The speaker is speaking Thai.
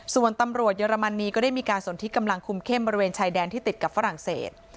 ส่วนตำรวจเยอรมนีก็ได้มีการสนที่กำลังคุมเข้มบริเวณชายแดนที่ติดกับฝรั่งเศส